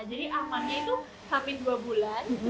nah jadi amannya itu hampir dua bulan